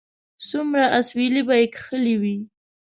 څومره اسويلي به یې کښلي وي